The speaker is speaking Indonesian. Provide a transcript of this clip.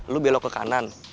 lu belok ke kanan